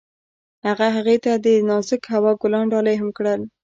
هغه هغې ته د نازک هوا ګلان ډالۍ هم کړل.